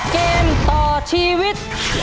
เกมต่อชีวิต